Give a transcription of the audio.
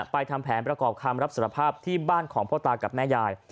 ทำแผนประกอบคำรับสารภาพที่บ้านของพ่อตากับแม่ยาย